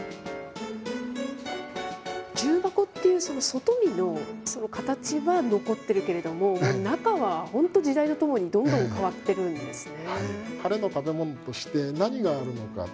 重箱っていう外見の形は残っているけれども、中は本当、時代とともにどんどん変わってるんですね。